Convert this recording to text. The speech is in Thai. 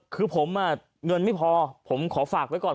คือผมเงินไม่พอผมขอฝากไว้ก่อน